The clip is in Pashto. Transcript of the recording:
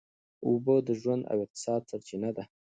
اوبه د ژوند او اقتصاد سرچینه ده.